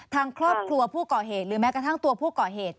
ทางครอบครัวผู้ก่อเหตุหรือแม้กระทั่งตัวผู้ก่อเหตุ